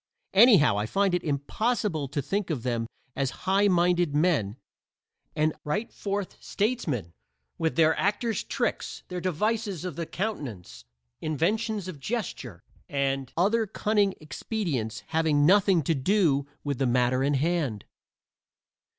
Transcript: Anyhow I find it impossible to think of them as highminded men and right forth statesmen with their actors' tricks, their devices of the countenance, inventions of gesture and other cunning expedients having nothing to do with the matter in hand.